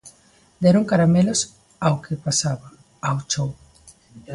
Deron caramelos ao que pasaba, ao chou